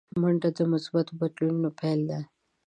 منډه د مثبتو بدلونونو پیل دی